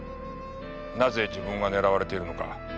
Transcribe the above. なぜ自分が狙われているのか。